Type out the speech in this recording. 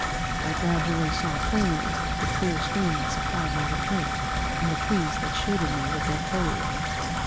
I gradually saw plainly the clear stream that supplied me with drink and the trees that shaded me with their foliage.